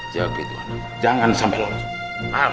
jawab itu anak jangan sampai lonjong